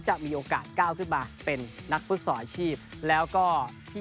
จะมีโอกาสก้าวขึ้นมาเป็นนักฟุตซอลอาชีพแล้วก็ที่